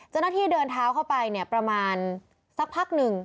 จนที่เดินเท้าเข้าไปประมาณสักพักหนึ่ง